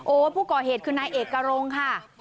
โอ้ผู้ก่อเหตุคือนายเอกกระโลงค่ะ